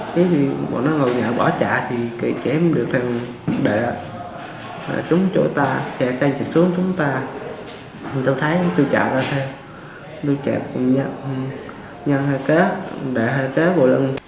khi đang ngồi nhậu bị chém đứt lìa cánh tay phải anh nhân bị thương tích nặng